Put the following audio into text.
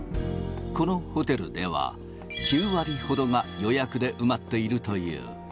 このホテルでは、９割ほどが予約で埋まっているという。